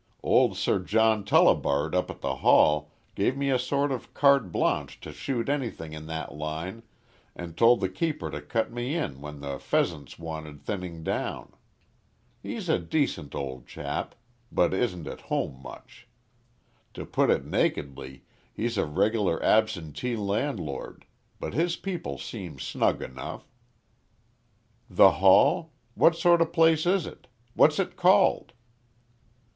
Old Sir John Tullibard up at the Hall gave me a sort of carte blanche to shoot anything in that line, and told the keeper to cut me in when the pheasants wanted thinning down. He's a decent old chap, but isn't at home much. To put it nakedly he's a regular absentee landlord, but his people seem snug enough." "The Hall? What sort of place is it? What's it called?"